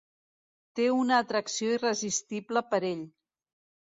Té una atracció irresistible per ell.